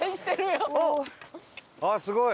ああすごい！